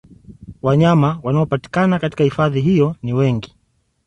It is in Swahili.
Wanyama wanaopatikana katika hifadhi hiyo ni wengi